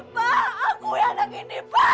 pak aku ini pak